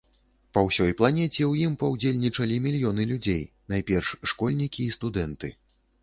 Па ўсёй планеце ў ім паўдзельнічалі мільёны людзей, найперш школьнікі і студэнты.